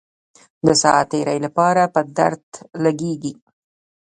د ساعت تیرۍ لپاره په درد لګېږي.